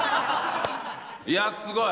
いやすごい！